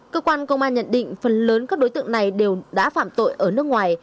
cơ quan công an nhận định phần lớn các đối tượng này đều đã phạm tội ở nước ngoài